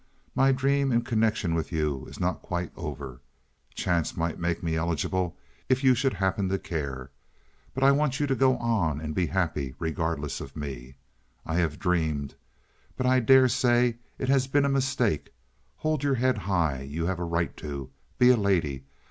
My dream in connection with you is not quite over. Chance might make me eligible if you should happen to care. But I want you to go on and be happy, regardless of me. I have dreamed, but I dare say it has been a mistake. Hold your head high—you have a right to. Be a lady.